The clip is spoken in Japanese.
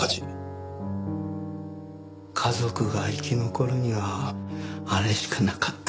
家族が生き残るにはあれしかなかった。